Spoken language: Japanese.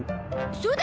そうだ！